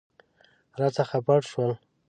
راڅخه پټ شول.